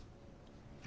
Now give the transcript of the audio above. え？